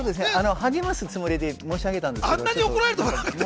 励ますつもりで申し上げたんですけれど。